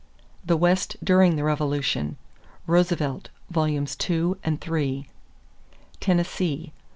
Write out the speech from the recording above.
=The West during the Revolution.= Roosevelt, Vols. II and III. =Tennessee.